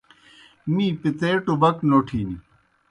می پِتَے ٹُبَک نوٹِھن۔